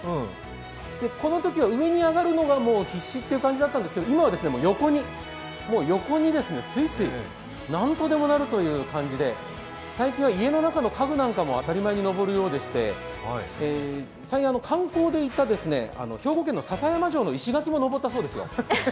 このときは上に上がるのが必死って感じだったんですけど、今は、横にスイスイ、何とでもなるという感じで、最近は家の中の家具なんかも当たり前に登るようでして観光で行った兵庫県の篠山城の石垣も登ったそうですよ。